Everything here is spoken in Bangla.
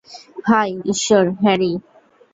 হায়, ঈশ্বর, হ্যারি!